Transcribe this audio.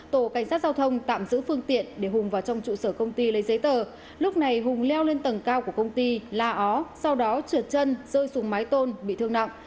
tổ cảnh sát giao thông tạm giữ phương tiện để hùng vào trong trụ sở công ty lấy giấy tờ lúc này hùng leo lên tầng cao của công ty la ó sau đó trượt chân rơi xuống mái tôn bị thương nặng